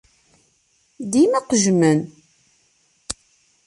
Dima qejjmen.